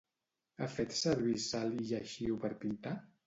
Ha fet servir sal i lleixiu per pintar?